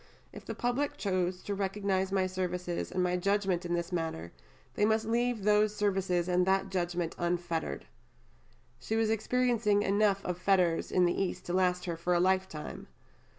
If the public choose to recognize my services and my judgment in this manner, they must leave those services and that judgment unfettered." She was experiencing enough of fetters in the East to last her for a lifetime.